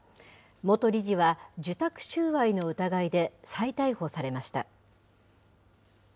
元理事は、受託収賄の疑いで再逮捕されました。